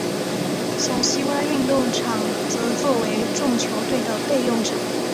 小西湾运动场则作为众球队的备用场。